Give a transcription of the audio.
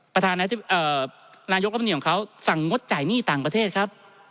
ประธานาธิบดิ์นายกรับหนิวของเขาสั่งงดจ่ายหนี้ต่างประเทศครับ